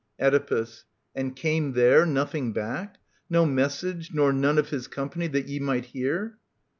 Oedipus. / And came there nothing back ? No message, nor None of his company, that ye might hear